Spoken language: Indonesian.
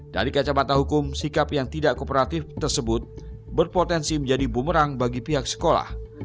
dari kacamata hukum sikap yang tidak kooperatif tersebut berpotensi menjadi bumerang bagi pihak sekolah